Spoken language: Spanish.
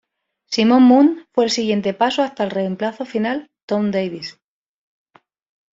Simon Moon fue el siguiente paso hasta el reemplazo final, Tom Davies.